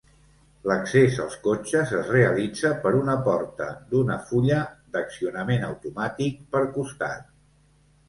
L'accés als cotxes es realitza per una porta d'una fulla d'accionament automàtic per costat.